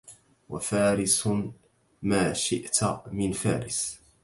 وفارس ما شئت من فارس